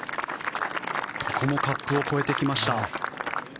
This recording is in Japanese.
ここもカップを越えてきました。